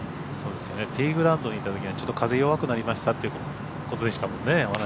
ティーグラウンドにいたときは風弱くなりましたってことでしたもんね。